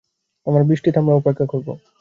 আমরা বৃষ্টি থামার অপেক্ষা করবো।